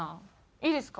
いいですか？